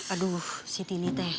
aduh si tini teh